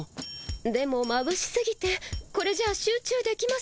でもまぶしすぎてこれじゃあ集中できませんわ。